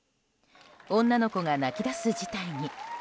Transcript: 女の子が泣き出す事態に。